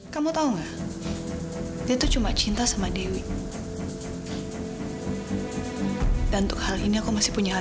sampai jumpa di video selanjutnya